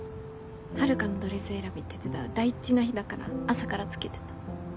はるかのドレス選び手伝う大事な日だから朝からつけてた。